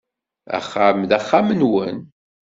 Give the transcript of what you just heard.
Axxam d axxam-nwen.